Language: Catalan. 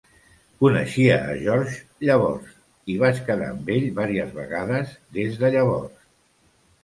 Coneixia a George llavors i vaig quedar amb ell vàries vegades des de llavors.